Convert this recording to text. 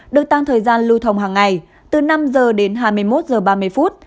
được tăng thời gian lưu thông hàng ngày từ năm h đến hai mươi một h ba mươi phút